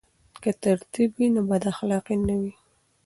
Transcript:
که تربیت وي نو بداخلاقي نه وي.